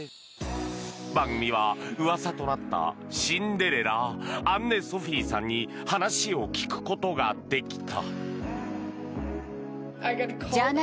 番組は、うわさとなったシンデレラアンネ・ソフィーさんに話を聞くことができた。